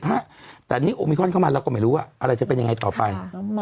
แต่นี่โอมิคอนเข้ามาเราก็ไม่รู้ว่าอะไรจะเป็นยังไงต่อไป